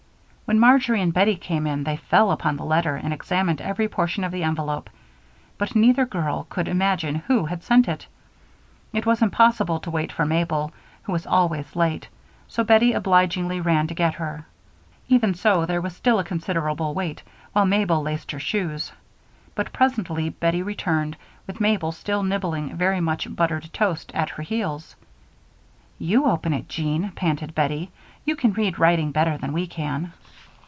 When Marjory and Bettie came in, they fell upon the letter and examined every portion of the envelope, but neither girl could imagine who had sent it. It was impossible to wait for Mabel, who was always late, so Bettie obligingly ran to get her. Even so there was still a considerable wait while Mabel laced her shoes; but presently Bettie returned, with Mabel, still nibbling very much buttered toast, at her heels. "You open it, Jean," panted Bettie. "You can read writing better than we can."